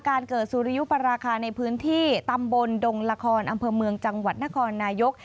เกิดสุริยุปราคาในพื้นที่ตำบลดงละครอำเภอเมืองจังหวัดนครนายก